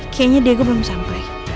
kayaknya dego belum sampai